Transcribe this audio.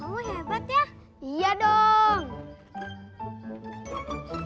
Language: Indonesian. aku boleh coba nggak